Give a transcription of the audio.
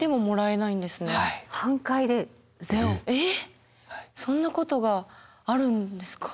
えっそんなことがあるんですか。